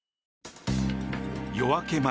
夜明け前